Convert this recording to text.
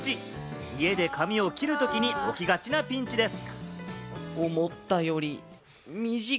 家で髪を切るときに起きがちなピンチです。